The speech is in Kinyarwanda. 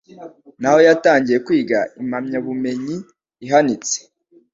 naho yatangiye kwiga impamyabumenyi ihanitse